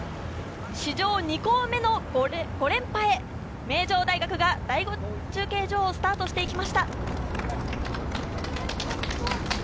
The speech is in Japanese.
史上２校目の５連覇へ、名城大学が第５中継所をスタートしていきました。